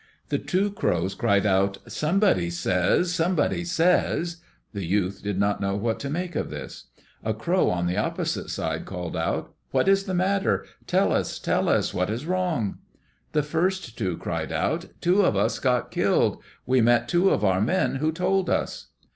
The two crows cried out, "Somebody says. Somebody says." The youth did not know what to make of this. A crow on the opposite side called out, "What is the matter? Tell us! Tell us! What is wrong?" The first two cried out, "Two of us got killed. We met two of our men who told us."